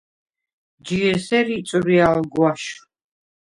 ჯი ესერ იწვრი ალ გვაშვ.